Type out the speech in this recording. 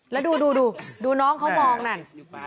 แล้วดูน้องเขามองนั่น